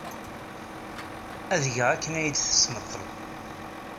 Ad geɣ akken ay d-tesmetred.